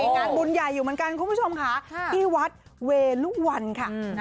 งานบุญใหญ่อยู่เหมือนกันคุณผู้ชมค่ะที่วัดเวลุวันค่ะ